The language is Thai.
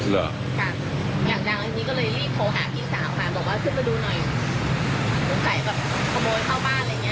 ฟังนะครับ